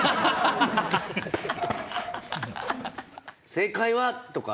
「正解は！？」とか。